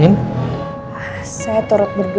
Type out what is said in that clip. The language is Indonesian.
gimana nasibku dan riffky ke depan